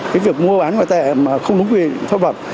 cái việc mua bán ngoại tệ mà không đúng quy định pháp luật